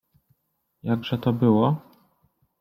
Jakże to było?…